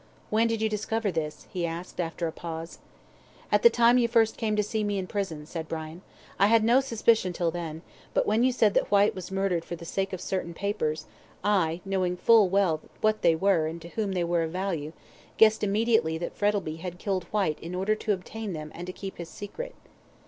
"When did you discover this?" he asked, after a pause. "At the time you first came to see me in prison," said Brian. "I had no suspicion till then; but when you said that Whyte was murdered for the sake of certain papers, I, knowing full well what they were and to whom they were of value guessed immediately that Mark Frettlby had killed Whyte in order to obtain them and to keep his secret."